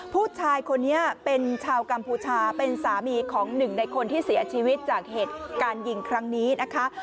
ผู้ชายคนนี้เป็นชาวกัมพูชาเป็นสามีของหนึ่งในคนที่เสียชีวิตจากเหตุการณ์ยิงครั้งนี้นะคะ